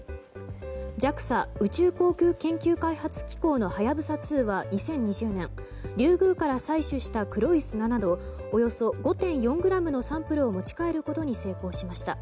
ＪＡＸＡ・宇宙航空研究開発機構の「はやぶさ２」は２０２０年リュウグウから採取した黒い砂などおよそ５．４ｇのサンプルを持ち帰ることに成功しました。